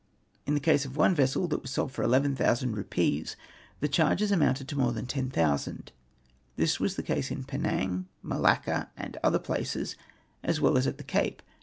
In the case of one vessel that was sold for 11,000 rupees, the charges amounted to more than 10,000. This was the case at Penang, Malacca, and other places, as well as at the Cape.'